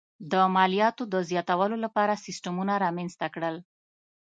د مالیاتو د زیاتولو لپاره سیستمونه رامنځته کړل.